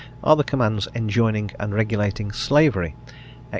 Are the commands enjoining and regulating Slavery (Ex.